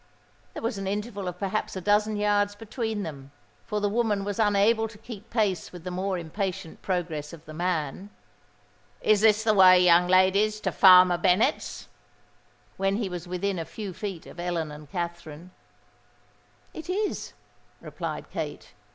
There was an interval of perhaps a dozen yards between them; for the woman was unable to keep pace with the more impatient progress of the man. "Is this the way, young ladies, to Farmer Bennet's?" demanded the foremost individual, when he was within a few feet of Ellen and Katherine. "It is," replied Kate.